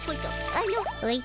あの「おじゃ」